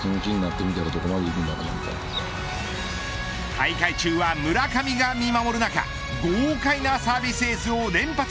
大会中は村上が見守る中豪快なサービスエースを連発。